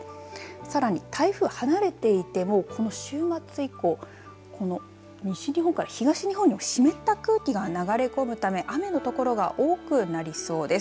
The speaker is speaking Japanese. さらに台風、離れていてもこの週末以降西日本から東日本に湿った空気が流れ込むため雨のところが多くなりそうです。